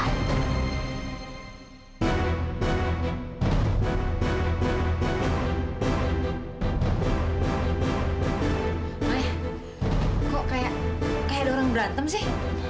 ayah kok kayak ada orang berantem sih